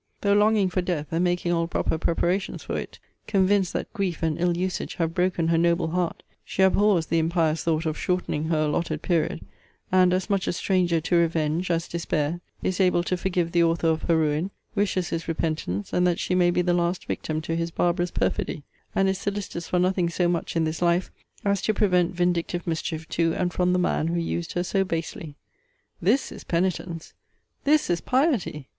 Though longing for death, and making all proper preparations for it, convinced that grief and ill usage have broken her noble heart, she abhors the impious thought of shortening her allotted period; and, as much a stranger to revenge as despair, is able to forgive the author of her ruin; wishes his repentance, and that she may be the last victim to his barbarous perfidy: and is solicitous for nothing so much in this life, as to prevent vindictive mischief to and from the man who used her so basely. This is penitence! This is piety!